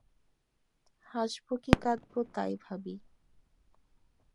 হাসব কি কাঁদব তাই ভাবি।